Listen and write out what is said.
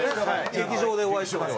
劇場でお会いします。